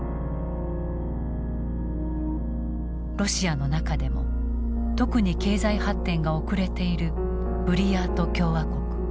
ロシアの中でも特に経済発展が遅れているブリヤート共和国。